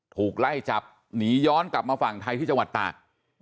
ถูกไล่จับหนีย้อนกลับมาฝั่งไทยที่จังหวัดตาก